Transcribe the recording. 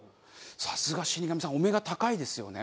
さすが死神さんお目が高いですよね。